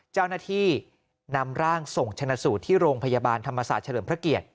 เจ้าหน้าที่นำร่างส่งชนะสูตรที่โรงพยาบาลธรรมศาสตร์เฉลิมพระเกียรติ